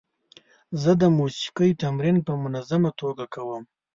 زه د موسیقۍ تمرین په منظمه توګه کوم.